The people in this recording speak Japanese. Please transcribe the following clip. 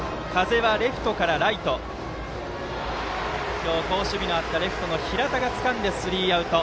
今日、好守備のあったレフトの平太がつかんでスリーアウト。